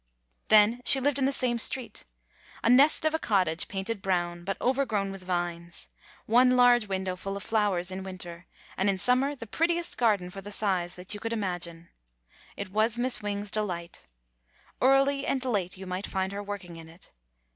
Then she lived in the same street. A nest of a cottage, painted brown, but overgrown with vines; one large window full of flowers in winter, and in summer the prettiest garden for the size that you could imagine. It was Miss Wing's delight. Early and late, you might find her working in it.